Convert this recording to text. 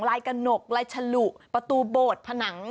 กระหนกลายฉลุประตูโบดผนัง